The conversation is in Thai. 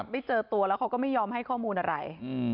ไม่เจอตัวแล้วเขาก็ไม่ยอมให้ข้อมูลอะไร